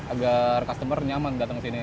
agar customer nyaman datang ke sini